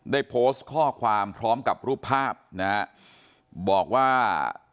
ได้โพสต์ข้อความพร้อมกับรูปภาพนะฮะบอกว่า